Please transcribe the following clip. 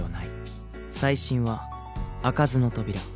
再審は開かずの扉。